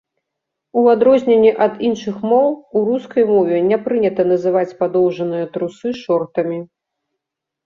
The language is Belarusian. У адрозненне ад іншых моў, у рускай мове не прынята называць падоўжаныя трусы шортамі.